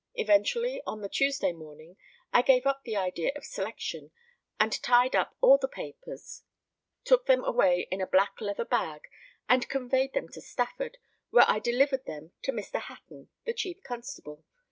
Eventually, on the Tuesday morning, I gave up the idea of selection, and tied up all the papers, took them away in a black leather bag, and conveyed them to Stafford, where I delivered them to Mr. Hatton, the chief constable.